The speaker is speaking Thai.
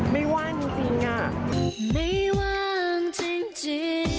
ไม่ว่างจริงอะ